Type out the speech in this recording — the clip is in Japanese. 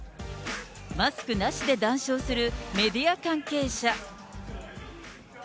マスクなしで談笑するメディア関係者。